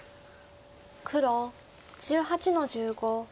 黒１８の十五。